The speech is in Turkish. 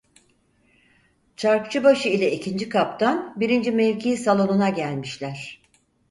Çarkçıbaşı ile ikinci kaptan, birinci mevki salonuna gelmişler.